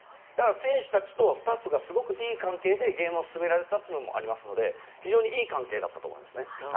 選手たちとスタッフたちがすごくいい関係でゲームを進められたというのもありますので非常にいい関係だったと思います。